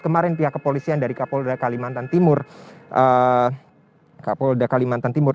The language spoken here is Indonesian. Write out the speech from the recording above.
kemarin pihak kepolisian dari kapolda kalimantan timur kapolda kalimantan timur